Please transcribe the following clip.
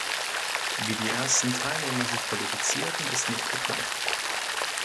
Wie die ersten Teilnehmer sich qualifizierten, ist nicht bekannt.